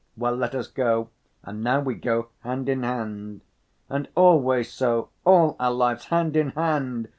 "Well, let us go! And now we go hand in hand." "And always so, all our lives hand in hand!